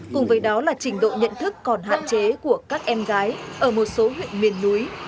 cùng với đó là trình độ nhận thức còn hạn chế của các em gái ở một số huyện miền núi